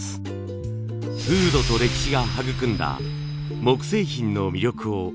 風土と歴史が育んだ木製品の魅力をご紹介します。